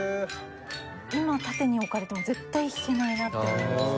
今縦に置かれても絶対弾けないなって思います。